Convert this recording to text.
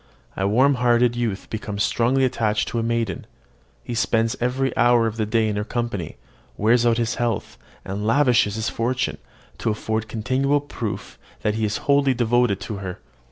A warmhearted youth becomes strongly attached to a maiden: he spends every hour of the day in her company, wears out his health, and lavishes his fortune, to afford continual proof that he is wholly devoted to her.